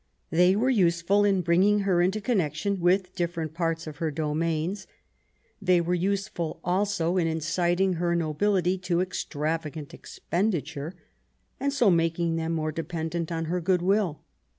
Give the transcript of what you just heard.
They were useful as bringing her into connection with different parts of her domains. They were useful also as inciting her nobility to extravkgant expenditure, and so making them more dependent on her goodwill.